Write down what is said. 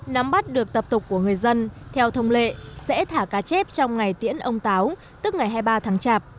nắm bắt được tập tục của người dân theo thông lệ sẽ thả cá chép trong ngày tiễn ông táo tức ngày hai mươi ba tháng chạp